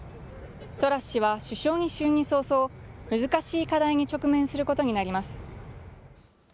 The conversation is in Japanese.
トラス氏は首相に就任早々、難しい課題に直面することになります。